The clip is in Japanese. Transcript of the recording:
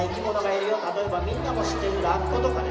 例えばみんなも知ってるラッコとかね。